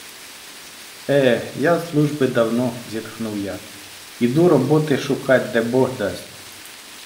- Е, я з служби давно, - зітхнув я, - іду роботи шукать, де бог дасть...